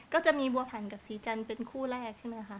ก็จะมีบัวผันกับสีจันทร์เป็นคู่แรกใช่ไหมคะ